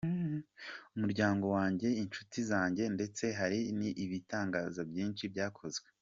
Umuryango wanjye, inshuti zanjye ndetse hari ibitangaza byinshi byakozwe.